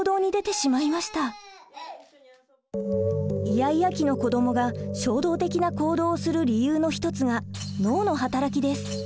イヤイヤ期の子どもが衝動的な行動をする理由の一つが脳の働きです。